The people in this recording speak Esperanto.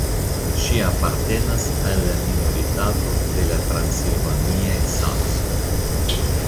Ŝi apartenas al la minoritato de la transilvaniaj saksoj.